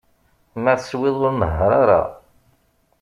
Ma teswiḍ, ur nehheṛ ara!